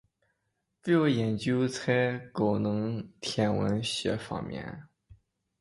主要研究是在高能天文学方面。